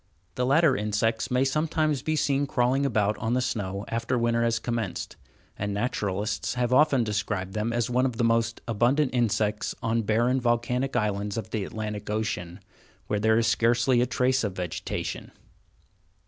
The latter insects may sometimes be seen crawling about on the snow after winter has commenced, and naturalists have often described them as one of the most abundant insects on barren, volcanic islands of the Atlantic Ocean, where there is scarcely a trace of vegetation.